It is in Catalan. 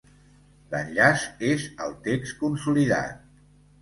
L'enllaç és al text consolidat.